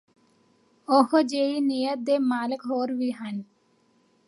ਉਹੋਂ ਜਿਹੀ ਨੀਅਤ ਦੇ ਮਾਲਕ ਹੋਰ ਵੀ ਹਨ